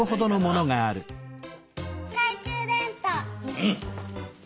うん。